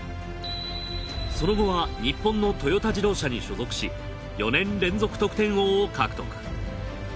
その後は日本のトヨタ自動車に所属し４年連続得点王を獲得。